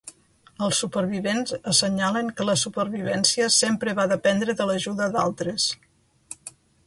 Els supervivents assenyalen que la supervivència sempre va dependre de l'ajuda d'altres.